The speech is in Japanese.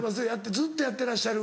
ずっとやってらっしゃる。